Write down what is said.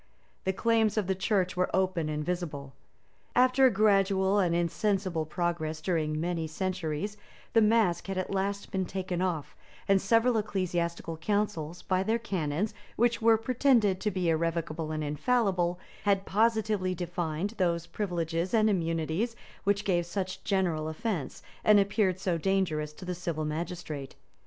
The claims of the church were open and visible. After a gradual and insensible progress during many centuries, the mask had at last been taken off, and several ecclesiastical councils, by their canons, which were pretended to be irrevocable and infallible, had positively defined those privileges and immunities which gave such general offence, and appeared so dangerous to the civil magistrate.